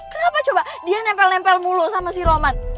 kenapa coba dia nempel nempel mulu sama si roman